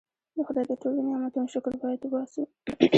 د خدای د ټولو نعمتونو شکر باید وباسو.